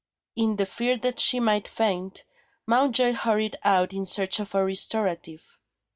In the fear that she might faint, Mountjoy hurried out in search of a restorative.